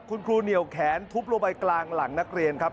คุณครูเหนียวแขนทุบลงไปกลางหลังนักเรียนครับ